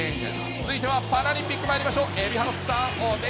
続いてはパラリンピックまいりましょう。